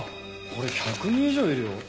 これ１００人以上いるよ。